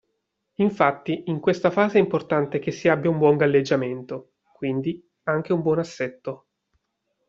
Infatti, in questa fase è importante che si abbia un buon galleggiamento (quindi anche un buon assetto).